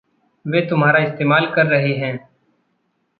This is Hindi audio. वे तुम्हारा इस्तेमाल कर रहे हैं।